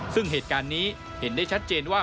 ซึ่งเหตุการณ์นี้เห็นได้ชัดเจนว่า